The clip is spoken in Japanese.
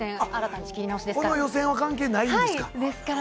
ですから予選は関係ないんですか？